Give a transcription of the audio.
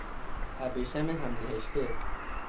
ابریشم همنهشته